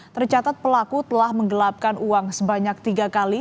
tercatat pelaku telah menggelapkan uang sebanyak tiga kali